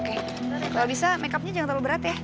kalau bisa makeupnya jangan terlalu berat ya